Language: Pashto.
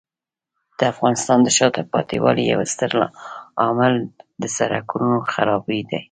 د افغانستان د شاته پاتې والي یو ستر عامل د سړکونو خرابي دی.